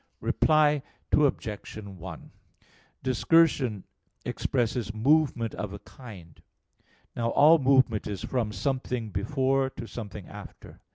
Reply Obj. 1: Discursion expresses movement of a kind. Now all movement is from something before to something after.